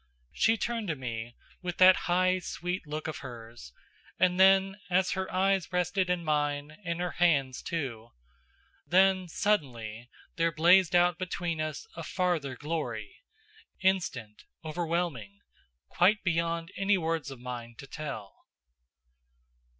She turned to me, with that high, sweet look of hers, and then, as her eyes rested in mine and her hands too then suddenly there blazed out between us a farther glory, instant, overwhelming quite beyond any words of mine to tell.